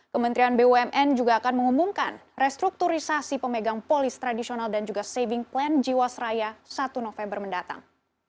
kementerian bumn juga akan mengumumkan restrukturisasi pemegang polis tradisional dan juga saving plan jiwasraya satu november mendatang